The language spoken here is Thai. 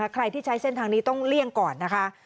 ใครที่ใช้เส้นทางนี้ต้องเลี่ยงก่อนนะคะ